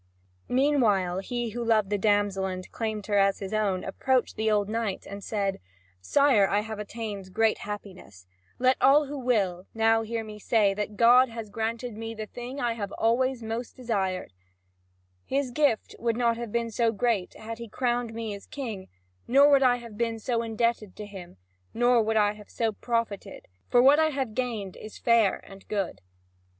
Meanwhile he who loved the damsel and claimed her as his own, approached the old knight, and said: "Sire, I have attained great happiness; let all who will now hear me say that God has granted me the thing that I have always most desired; His gift would not have been so great had He crowned me as king, nor would I have been so indebted to Him, nor would I have so profited; for what I have gained is fair and good."